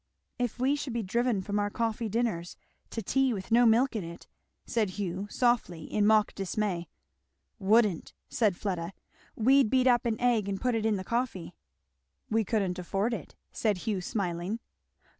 "If we should be driven from our coffee dinners to tea with no milk in it!" said Hugh softly in mock dismay. "Wouldn't!" said Fleda. "We'd beat up an egg and put it in the coffee." "We couldn't afford it," said Hugh smiling.